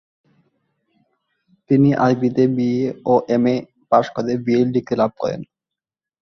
তিনি আরবিতে বিএ ও এমএ পাস করে বিএল ডিগ্রি লাভ করেন।